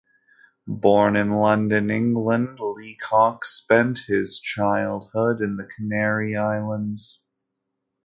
Born in London, England, Leacock spent his childhood in the Canary Islands.